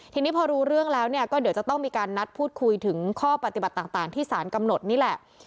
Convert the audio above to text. ทีนี้พอรู้เรื่องแล้วเนี่ยก็เดี๋ยวจะต้องมีการนัดพูดคุยถึงข้อปฏิบัติต่างที่สารกำหนดนี่แหละ